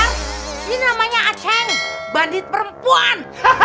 ini namanya a cheng bandit perempuan